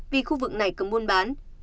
vì khu vực này cấm buôn bán